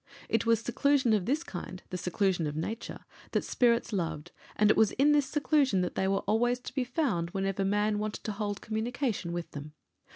It was seclusion of this kind, the seclusion of nature, that spirits loved, and it was in this seclusion they were always to be found whenever man wanted to hold communication with them.